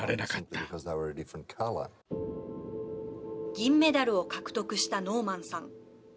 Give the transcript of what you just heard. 銀メダルを獲得したノーマンさん。